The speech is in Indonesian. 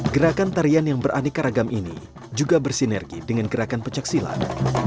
gerakan tarian yang beraneka ragam ini juga bersinergi dengan gerakan pencaksilat